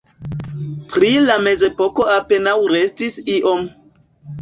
Pri la mezepoko apenaŭ restis iom.